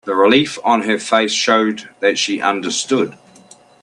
The relief on her face showed that she understood.